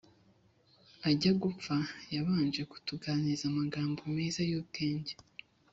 Ajya gupfa yabanje kutuganiriza amagambo meza y’ubwenge